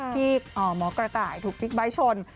ที่หมอกระต่ายถูกพลิกใบ้ชน